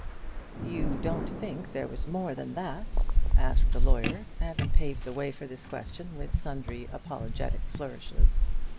"You don't think there was more than that?" asked the lawyer, having paved the way for his question with sundry apologetic flourishes.